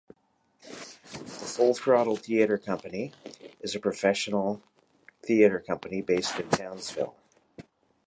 The Full Throttle Theatre Company is a professional theatre company based in Townsville.